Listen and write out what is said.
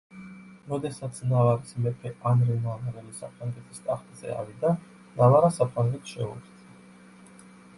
როდესაც ნავარის მეფე ანრი ნავარელი საფრანგეთის ტახტზე ავიდა, ნავარა საფრანგეთს შეუერთდა.